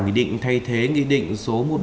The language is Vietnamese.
nghị định thay thế nghị định số một trăm bảy mươi một